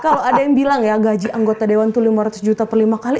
kalau ada yang bilang ya gaji anggota dewan itu lima ratus juta per lima kali